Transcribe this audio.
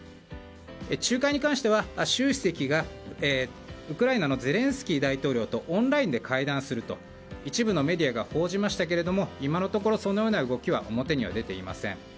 仲介に関しては、習主席がウクライナのゼレンスキー大統領とオンラインで会談すると一部のメディアが報じましたが今のところそのような動きは表には出ていません。